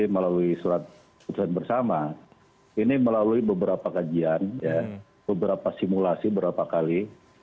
melalui surat keputusan bersama ini melalui beberapa kajian beberapa simulasi berapa kali